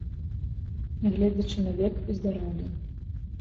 Нягледзячы на век і здароўе.